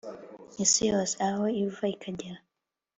isi yose, aho iva ikagera